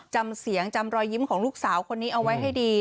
จำเสียงจำรอยยิ้มของลูกสาวคนนี้เอาไว้ให้ดี